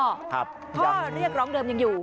ข้อเรียกร้องเดิมยังอยู่